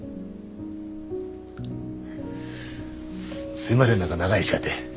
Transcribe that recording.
すいません何か長居しちゃって。